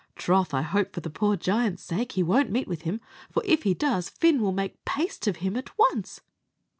Troth, I hope, for the poor giant's sake, he won't meet with him, for if he does, Fin will make paste of him at once."